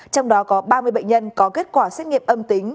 trong đó có ba mươi bệnh nhân có kết quả xét nghiệm âm tính